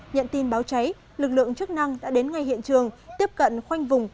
nhận tin báo cháy lực lượng chức năng đã đến ngay hiện trường tiếp cận khoanh vùng